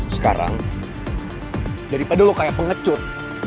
sekarang daripada lo kayak pengecut